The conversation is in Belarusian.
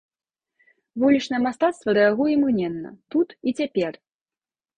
Вулічнае мастацтва рэагуе імгненна, тут і цяпер.